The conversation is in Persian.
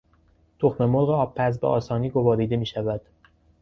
تخممرغ آبپز به آسانی گواریده میشود.